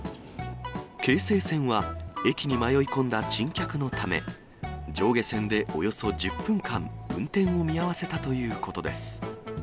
京成線は駅に迷い込んだ珍客のため、上下線でおよそ１０分間、運転を見合わせたということです。